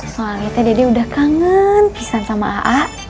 soalnya tadi udah kangen pisah sama a'a